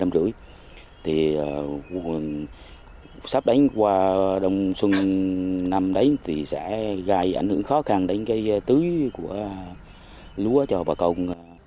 còn sắp đến qua đồng xuân năm đấy thì sẽ gài ảnh hưởng khó khăn đến cái tưới của lúa cho bà công